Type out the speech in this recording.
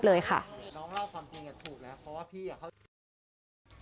เลยค่ะน้องเล่าความจริงอย่างถูกแล้วเพราะว่าพี่อ่ะ